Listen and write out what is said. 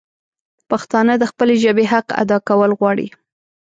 پښتانه د خپلي ژبي حق ادا کول غواړي